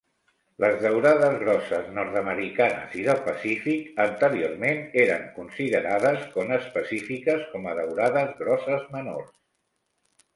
Les daurades grosses nord-americanes i del Pacífic anteriorment eren considerades conespecífiques com a "daurades grosses menors".